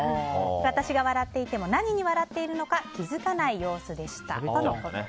私が笑っていても何に笑っているのか気づかない様子でしたとのことです。